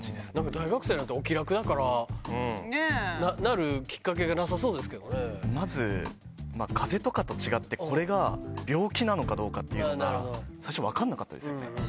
大学生なんてお気楽だから、なるきっかけがなさそうですけどまず、かぜとかと違って、これが病気なのかどうかっていうのが、最初分からなかったですよ